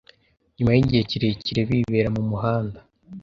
nyuma y’igihe kirekire bibera mumuhanda